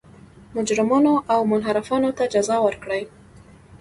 مجرمانو او منحرفانو ته جزا ورکړي.